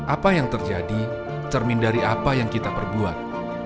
apa yang terjadi cermin dari apa yang kita perbuat